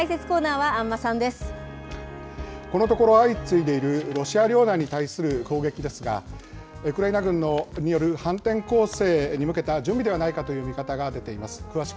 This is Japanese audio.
このところ、相次いでいるロシア領内に対する攻撃ですが、ウクライナ軍による反転攻勢に向けた準備ではないかという見方が出ています。